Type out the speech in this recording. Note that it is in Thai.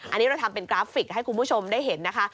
อันนี้เราทำเป็นกราฟิกให้คุณผู้ชมได้เห็นนะคะ